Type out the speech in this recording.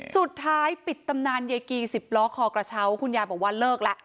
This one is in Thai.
สุดท้ายปิดตำนานยายกี๑๐ล้อคอกระเช้าคุณยายบอกว่าเลิกแล้ว